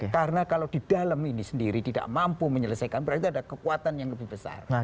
karena kalau di dalam ini sendiri tidak mampu menyelesaikan berarti ada kekuatan yang lebih besar